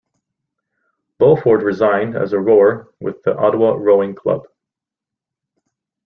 Pulford resigned as a rower with the Ottawa Rowing Club.